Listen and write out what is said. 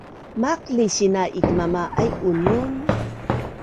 Maqlisin a ikmama’aiun un